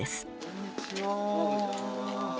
こんにちは。